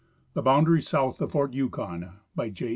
II— THE BOUNDARY SOUTH OF FORT YUKON BY J.